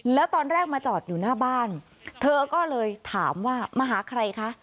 แล้วตอนแรกมาจอดอยู่หน้าบ้านเธอก็เลยถามว่ามาหาใครคะ